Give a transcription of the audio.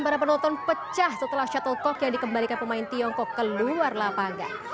para penonton pecah setelah shuttle talk yang dikembalikan pemain tiongkok keluar lapangan